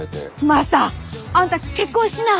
マサあんた結婚しな。